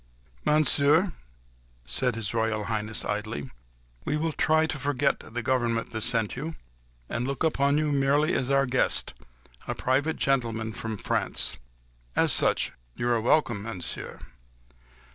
"Monsieur," said His Royal Highness coldly, "we will try to forget the government that sent you, and look upon you merely as our guest—a private gentleman from France. As such you are welcome, Monsieur."